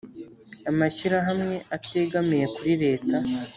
Amashyirahamwe ategamiye kuri leta